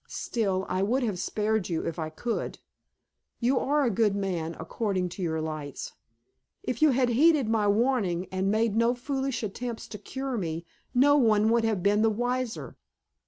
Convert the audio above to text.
Still, I would have spared you if I could. You are a good man according to your lights. If you had heeded my warning and made no foolish attempts to cure me, no one would have been the wiser."